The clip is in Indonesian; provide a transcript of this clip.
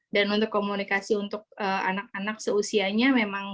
dan untuk komunikasi untuk anak anak seusianya memang